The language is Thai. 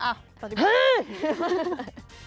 อ้าวตอนนี้ฮือ